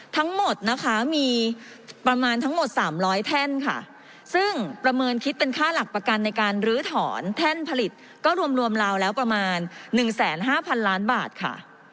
ทั้งหมดนะคะมีประมาณทั้งหมด๓๐๐แท่นค่ะซึ่งประเมินคิดเป็นค่าหลักประกันในการลื้อถอนแท่นผลิตก็รวมราวแล้วประมาณ๑๕๐๐๐ล้านบาทค่ะ